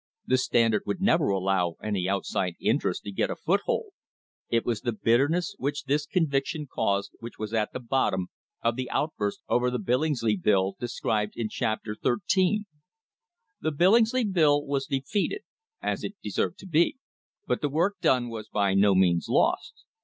The Standard would never allow any outside interest to get a foothold. It was the bitterness which this conviction caused which was at the bottom of the outburst over the Billingsley Bill described in Chapter XIII. The Billingsley Bill was defeated, as it deserved to be, but the work done was by no means lost.